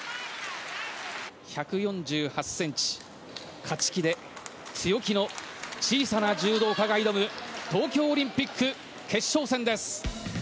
１４８ｃｍ勝ち気で強気の小さな柔道家が挑む東京オリンピック決勝戦です。